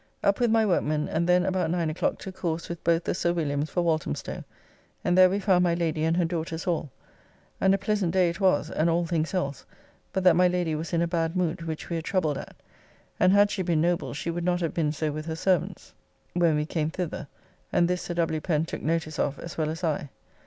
Up with my workmen and then about 9 o'clock took horse with both the Sir Williams for Walthamstow, and there we found my Lady and her daughters all; and a pleasant day it was, and all things else, but that my Lady was in a bad mood, which we were troubled at, and had she been noble she would not have been so with her servants, when we came thither, and this Sir W. Pen took notice of, as well as I.